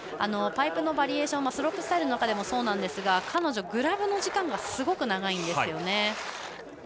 パイプのバリエーションもスロープスタイルの中でもそうですが彼女、グラブの時間がすごく長いんですよね。